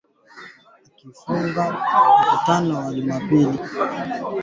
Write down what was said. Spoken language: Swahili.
Akiufungua mkutano wa Jumapili Rais Nana Akufo Addo, wa Ghana amesema